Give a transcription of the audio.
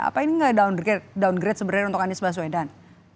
apa ini nggak downgrade sebenarnya untuk anies baswedan